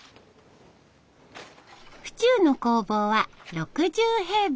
府中の工房は６０平米。